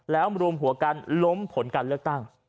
แล้วรวมหัวกันล้มผลการเลือกตั้ง